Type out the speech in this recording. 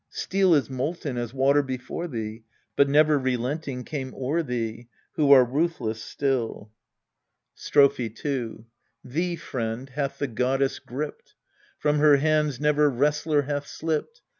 Steel is molten as water before thee, but never relenting came o'er thee, Who are ruthless still. 232 EURIPIDES Strophe 2 Thee, friend, hath the goddess gripped : from her hands never wrestler hath slipped.